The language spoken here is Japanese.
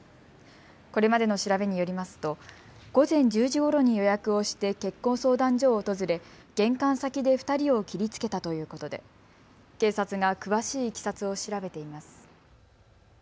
これまでの調べによりますと午前１０時ごろに予約をして結婚相談所を訪れ、玄関先で２人を切りつけたということで警察が詳しいいきさつを調べています。